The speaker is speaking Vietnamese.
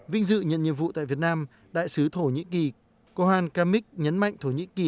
vinh dự nhận nhiệm vụ tại việt nam đại sứ thổ nhĩ kỳ cohan kamik nhấn mạnh thổ nhĩ kỳ